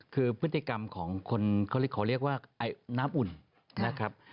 คือพฤติกรรมของคนเขาเรียกว่าน้ำอุ่นนะครับ